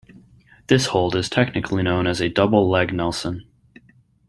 This hold is technically known as a double leg nelson.